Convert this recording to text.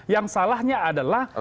yang salahnya adalah